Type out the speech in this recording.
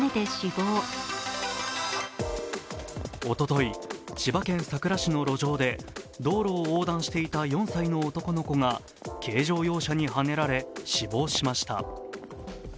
おととい、千葉県佐倉市の路上で道路を横断していた４歳の男の子が軽乗用車にはねられ死亡しました。